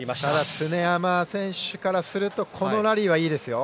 常山選手からするとこのラリーはいいですよ。